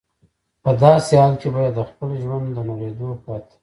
په داسې حال کې به یې د خپل ژوند د نړېدو پرته.